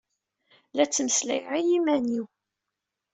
La ttmeslayeɣ i yiman-iw.